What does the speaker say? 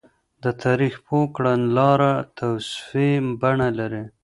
د تاريخ پوه کړنلاره توصيفي بڼه لري.